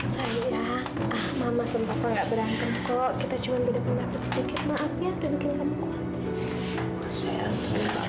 sayang mama sama papa nggak berantem kok kita cuma beda pendapat sedikit maaf ya udah bikin kamu khawatir